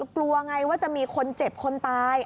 กลัวไงว่าจะมีคนเจ็บคนตาย